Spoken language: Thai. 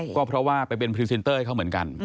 ก็เพราะว่าไปเป็นพรีเซนเตอร์ให้เขาเหมือนกัน